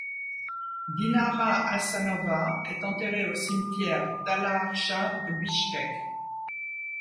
Dinara Assanova est enterrée au cimetière d'Ala Archa de Bichkek.